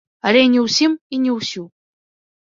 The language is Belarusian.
Але не ўсім і не ўсю.